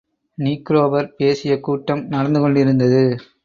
நீக்ரோவர் பேசிய கூட்டம் நடந்து கொண்டிருந்தது.